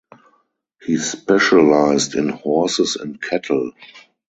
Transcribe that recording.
He specialized in horses and cattle.